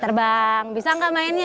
terbang bisa enggak mainnya